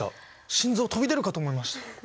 心臓飛び出るかと思いました。